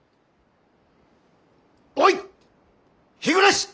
おい日暮！